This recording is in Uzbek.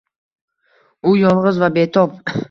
U yolg‘iz va betob.